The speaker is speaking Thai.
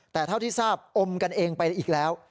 แต่เท่าที่ทราบอมกันเองไปอีกแล้ว